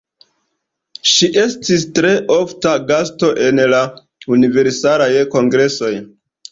Ŝi estis tre ofta gasto en la Universalaj Kongresoj.